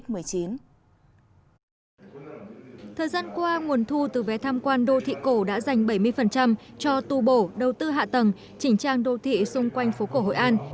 thời gian qua nguồn thu từ vé tham quan đô thị cổ đã dành bảy mươi cho tu bổ đầu tư hạ tầng chỉnh trang đô thị xung quanh phố cổ hội an